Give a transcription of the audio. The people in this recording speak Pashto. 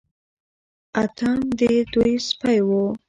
اتم د دوی سپی و.